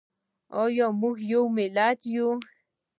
ایا موږ یو ملت یو؟